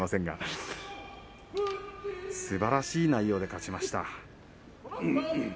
すばらしい内容で勝ちました。